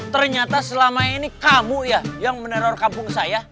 ternyata selama ini kamu ya yang meneror kampung saya